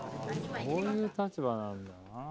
こういう立場なんだな。